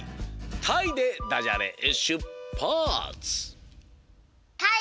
「たい」でダジャレしゅっぱつ！